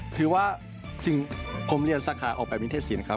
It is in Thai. คือว่าสิ่งผมเรียนสาขาออกแบบวินเทศสินครับ